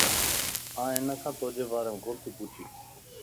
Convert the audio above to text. آن ھن نان توجي ڀاريم ڪوتي پڇين